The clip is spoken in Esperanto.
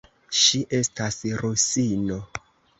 Ŝi estas rusino.